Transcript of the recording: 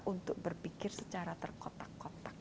untuk berpikir secara terkotak kotak